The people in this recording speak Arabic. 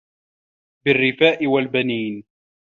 بالرفاء والبنين